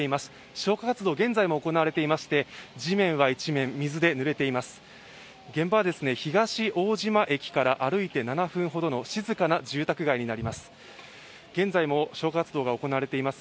消火活動、現在も行われていまして地面は一面、水でぬれています。